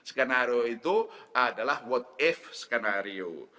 skenario itu adalah what if skenario